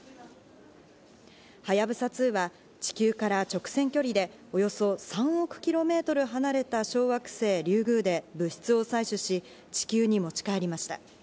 「はやぶさ２」は地球から直線距離でおよそ３億キロメートル離れた小惑星リュウグウで物質を採取し、地球に持ち帰りました。